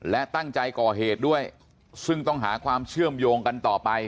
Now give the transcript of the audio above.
และตั้งใจก่อเหตุด้วยซึ่งต้องหาความเชื่อมโยงกันต่อไป